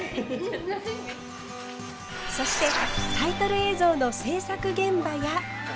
そしてタイトル映像の制作現場や。